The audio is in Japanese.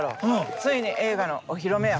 ついに映画のお披露目や。